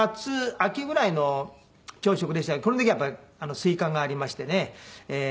秋ぐらいの朝食でしたけどこの時はやっぱりスイカがありましてね。